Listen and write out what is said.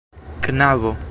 knabo